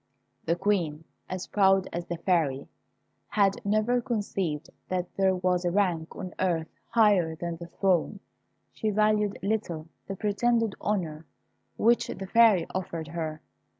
The Queen, as proud as the Fairy, had never conceived that there was a rank on earth higher than the throne. She valued little the pretended honour which the Fairy offered her.